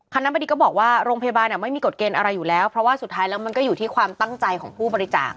คณะบดีก็บอกว่าโรงพยาบาลไม่มีกฎเกณฑ์อะไรอยู่แล้วเพราะว่าสุดท้ายแล้วมันก็อยู่ที่ความตั้งใจของผู้บริจาค